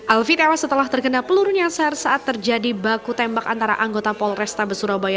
alfit ewas setelah terkena peluru nyasar saat terjadi baku tembak antara anggota polres tabes surabaya